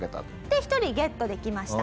で１人ゲットできました。